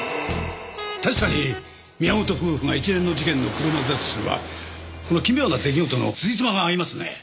確かに宮本夫婦が一連の事件の黒幕だとすればこの奇妙な出来事のつじつまが合いますね。